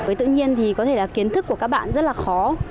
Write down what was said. với tự nhiên thì có thể là kiến thức của các bạn rất là khó